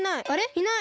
いない。